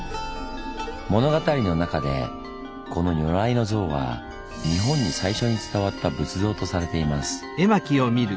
物語の中でこの如来の像は日本に最初に伝わった仏像とされています。